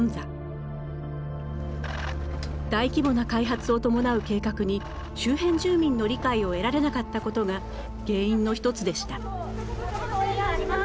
大規模な開発を伴う計画に周辺住民の理解を得られなかったことが原因の一つでした。